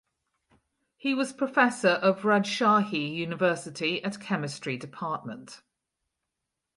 He was professor of Rajshahi University at Chemistry department.